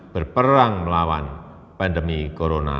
berperang melawan pandemi corona